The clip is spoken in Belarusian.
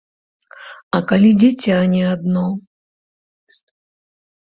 А калі дзіця не адно?